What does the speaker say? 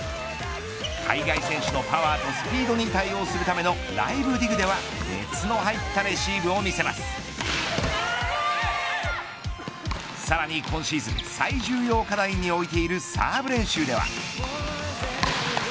海外選手のパワーとスピードに対応するためのライブディグではさらに今シーズン最重要課題に置いているサーブ練習では。